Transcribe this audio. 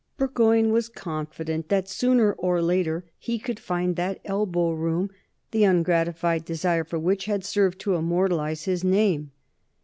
Burgoyne was confident that sooner or later he could find that "elbow room" the ungratified desire for which has served to immortalize his name.